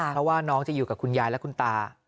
เพราะว่าน้องจะอยู่กับคุณยายและคุณตา